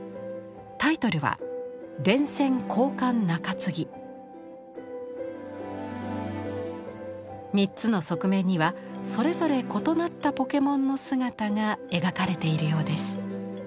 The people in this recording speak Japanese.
タイトルは３つの側面にはそれぞれ異なったポケモンの姿が描かれているようです。